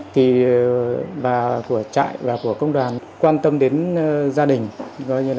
thì bà của trại và của công đoàn quan tâm đến gia đình